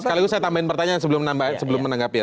sekaligus saya tambahin pertanyaan sebelum menanggapi ya